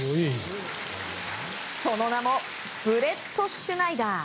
その名もブレットシュナイダー。